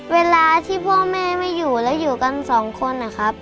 เวลาที่พ่อแม่ไม่อยู่แล้วอยู่กันสองคนนะครับ